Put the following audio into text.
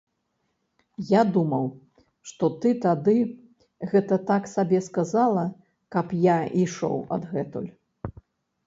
Я думаў, што ты тады гэта так сабе сказала, каб я ішоў адгэтуль.